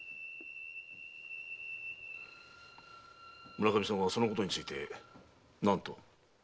村上さんはそのことについて何と？